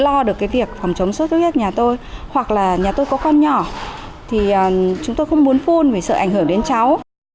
lo được cái việc phòng chống sốt xuất huyết nhà tôi hoặc là nhà tôi có con nhỏ thì chúng tôi không muốn phun vì sợ ảnh hưởng đến cháu